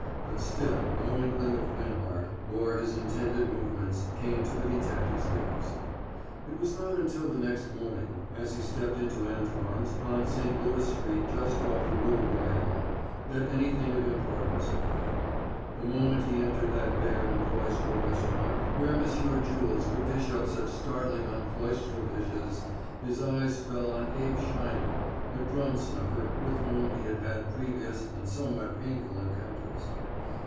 But still no inkling of Binhart or his intended movements came to the detective's ears. It was not until the next morning, as he stepped into Antoine's, on St. Louis Street just off the Rue Royal, that anything of importance occurred. The moment he entered that bare and cloistral restaurant where Monsieur Jules could dish up such startling uncloistral dishes, his eyes fell on Abe Sheiner, a drum snuffer with whom he had had previous and somewhat painful encounters.